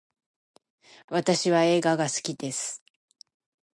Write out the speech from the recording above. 私は映画が好きです